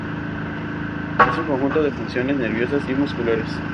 Es un conjunto de funciones nerviosas y musculares.